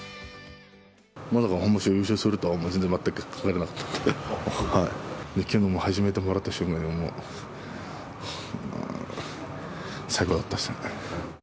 まさか本場所優勝するとは全然全く考えてなかったんで、きのう初めてもらった瞬間に、もう最高だったっすね。